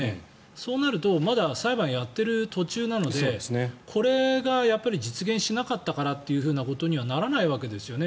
そうなるとまだ裁判をやっている途中なのでこれが実現しなかったからということにはならないわけですよね。